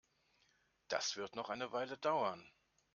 Das wird noch eine Weile dauern.